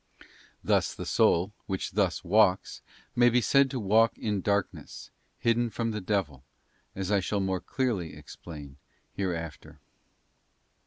Thus the soul, which thus walks, may be said to walk in darkness, hidden from the devil, as I shall more clearly explain here after.